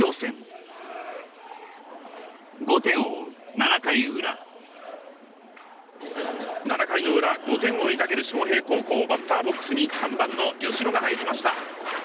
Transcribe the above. ７回裏７回の裏５点を追いかける昌平高校バッターボックスに３番の吉野が入りました